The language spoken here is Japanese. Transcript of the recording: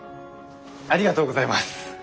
ありがとうございます。